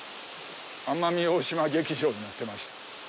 奄美大島劇場になってました。